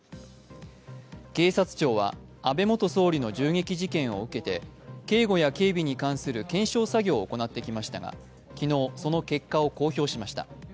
警察庁は、安倍元総理の銃撃事件を受けて警護や警備に関する検証作業を行ってきましたが昨日、その結果を公表しました。